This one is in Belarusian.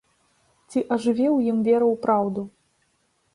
Ці ажыве ў ім вера ў праўду?